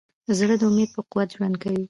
زړه د امید په قوت ژوند کوي.